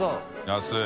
安い！